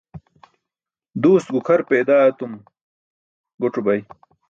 Duust gukʰar peydaa etum goc̣o bay